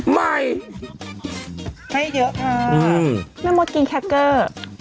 ใหม่ให้เยอะค่ะแม่มดกินแคคเกอร์